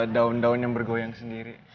daun daun yang bergoyang sendiri